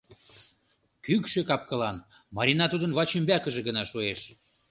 Кӱкшӧ кап-кылан, Марина тудын вачӱмбакыже гына шуэш.